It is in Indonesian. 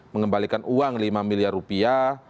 mengembalikan uang lima miliar rupiah